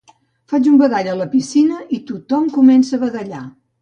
Faig un badall a la piscina i tothom comença a badallar